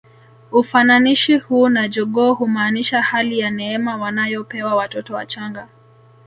Ufananishi huu na jogoo humaanisha hali ya neema wanayopewa watoto wachanga